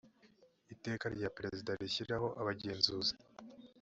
iteka rya perezida rishyiraho abagenzuzi